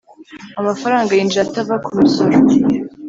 Amafaranga yinjira atava ku misoro